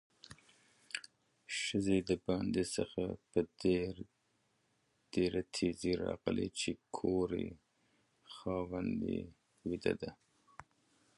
ښځه د باندې څخه په ډېره تیزۍ راغله چې ګوري خاوند یې ويده ده؛